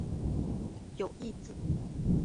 有一子。